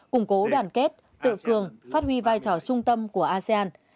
củng cố đoàn kết tự cường phát huy vai trò trung tâm của asean